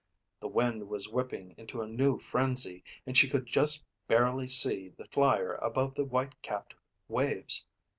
The wind was whipping into a new frenzy and she could just barely see the Flyer above the white capped waves.